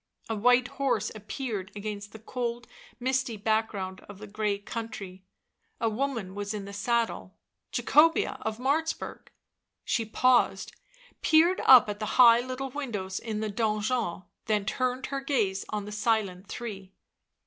A white horse appeared against the cold misty back ground of grey country; a woman was in the saddle : Jacobea of Martzburg. She paused, peered up at the high little windows in the donjon, then turned her gaze on the silent three.